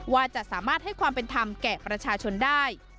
ว่าจะสามารถให้ความเป็นธรรมแก่ประชาชนได้